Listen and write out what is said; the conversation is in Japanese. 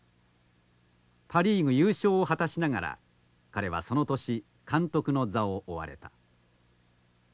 パ・リーグ優勝を果たしながら彼はその年監督の座を追われた。